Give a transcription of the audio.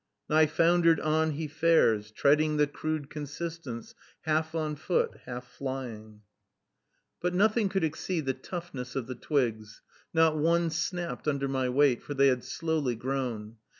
"Nigh foundered on he fares, Treading the crude consistence, half on foot, Half flying," But nothing could exceed the toughness of the twigs, not one snapped under my weight, for they had slowly grown.